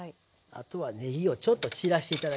あとはねぎをちょっと散らして頂ければ。